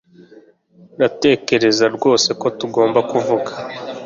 Ndatekereza rwose ko tugomba kuvuga